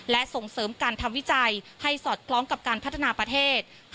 และส่งเสริมการทำวิจัยให้สอดคล้องกับการพัฒนาประเทศ